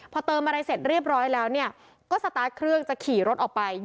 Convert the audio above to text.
พอเติมอะไรเสร็จเรียบร้อยแล้วเนี่ยก็สตาร์ทเครื่องจะขี่รถออกไป